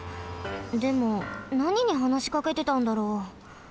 でもなににはなしかけてたんだろう？